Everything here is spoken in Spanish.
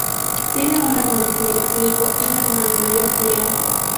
Tiene un hermano gemelo, Nico, y un hermano mayor, Neal.